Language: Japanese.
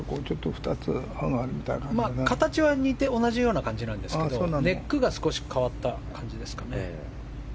形は似てて同じような感じなんですけどネックが変わった感じですかね。